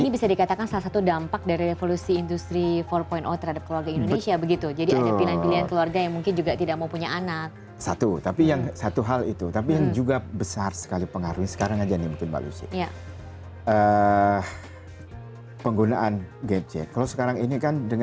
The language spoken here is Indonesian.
bkkbn mengatasi hal ini